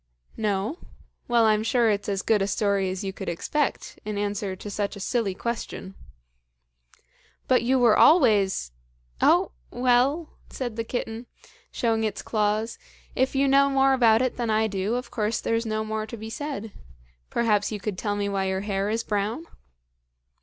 "No? Well, I'm sure it's as good a story as you could expect in answer to such a silly question." "But you were always " "Oh, well!" said the kitten, showing its claws, "if you know more about it than I do, of course there's no more to be said. Perhaps you could tell me why your hair is brown?"